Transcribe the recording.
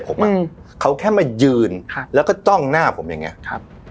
ผมอ่ะอืมเขาแค่มายืนครับแล้วก็จ้องหน้าผมอย่างเงี้ครับ